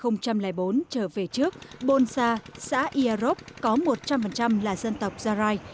năm hai nghìn bốn trở về trước bồn sa xã ia rốc có một trăm linh là dân tộc gia lai